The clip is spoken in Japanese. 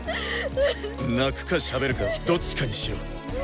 泣くかしゃべるかどっちかにしろ！